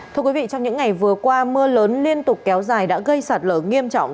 thưa quý vị trong những ngày vừa qua mưa lớn liên tục kéo dài đã gây sạt lở nghiêm trọng